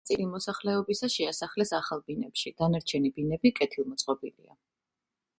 ნაწილი მოსახლეობისა შეასახლეს ახალ ბინებში დანარჩენი ბინები კეთილ მოწყობილია.